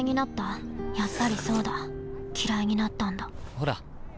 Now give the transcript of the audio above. ほら。